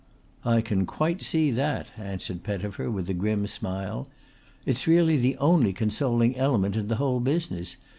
"I can quite see that," answered Pettifer with a grim smile. "It's really the only consoling element in the whole business.